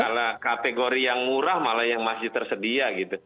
karena kategori yang murah malah yang masih tersedia gitu